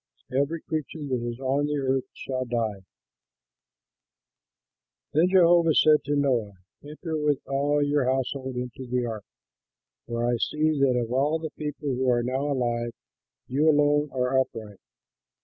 Every creature that is on the earth shall die." Then Jehovah said to Noah, "Enter with all your household into the ark, for I see that of all the people who are now alive you alone are upright.